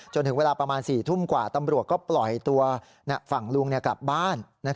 จนถึงเวลาประมาณ๔ทุ่มกว่าตำรวจก็ปล่อยตัวฝั่งลุงกลับบ้าน